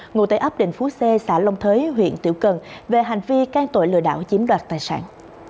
ngụ tây ấp đình phú c xã long thới huyện tiểu cần về hành vi can tội lừa đảo chiếm đoạt tài sản